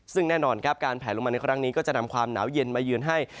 ซึ่งแน่นอนครับการแผลลงมาในครั้งนี้ก็จะนำความหนาวเย็นมายืนให้